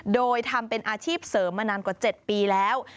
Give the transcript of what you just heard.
โดยทำเป็นอาชีพเสริมมานานกว่า๗ปีแล้ว